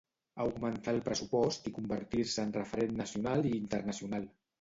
Augmentar el pressupost i convertir-se en referent nacional i internacional.